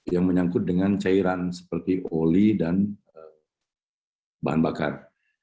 yang menyangkut dengan cairan seperti oli dan bahan bakar